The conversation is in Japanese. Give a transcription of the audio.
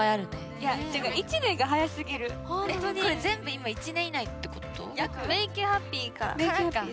えっこれ全部今１年以内ってこと？